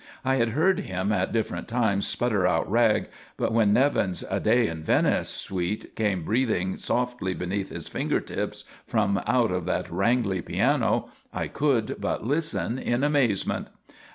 I had heard him at different times sputter out "rag," but when Nevin's "A Day in Venice" suite came breathing softly beneath his finger tips from out of that wrangly piano I could but listen in amazement.